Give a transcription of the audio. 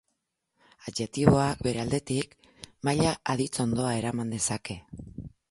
Adjektiboak, bere aldetik, maila-aditzondoa eraman dezake.